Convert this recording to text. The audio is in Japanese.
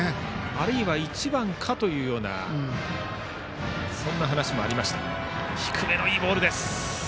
あるいは１番かというようなそんな話もありました。